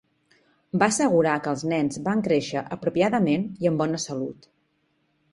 Va assegurar que els nen van créixer apropiadament i amb bona salut.